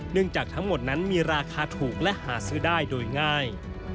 จากทั้งหมดนั้นมีราคาถูกและหาซื้อได้โดยง่าย